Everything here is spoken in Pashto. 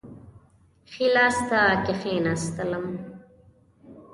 ښي لاس ته کښېنستلم.